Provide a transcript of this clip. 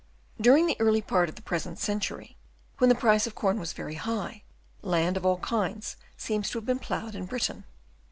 During the early part of the present century, when the price of corn was very high, land of all kinds seems to have been ploughed in Britain.